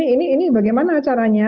ini bagaimana caranya